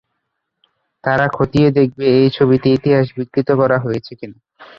তারা খতিয়ে দেখবে এই ছবিতে ইতিহাস বিকৃত করা হয়েছে কি না।